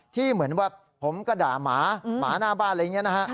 เหมือนว่าผมก็ด่าหมาหมาหน้าบ้านอะไรอย่างนี้นะฮะ